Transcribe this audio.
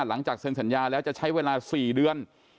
หลังจากเซ็นสัญญาแล้วจะใช้เวลา๔เดือน